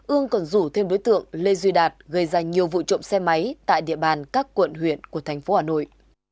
ương còn rủ thêm đối tượng lê duy đạt gây ra nhiều vụ trộm xe máy tại địa bàn các quận huyện của thành phố hà nội